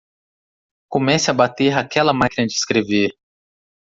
Comece a bater aquela máquina de escrever.